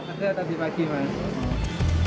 ada tadi pagi pak